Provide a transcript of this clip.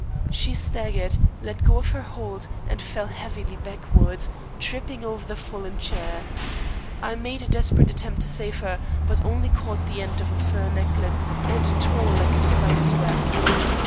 She staggered, let go her hold, and fell heavily backwards, tripping over the fallen chair. I made a desperate attempt to save her, but only caught the end of a fur necklet, and it tore like a spider's web.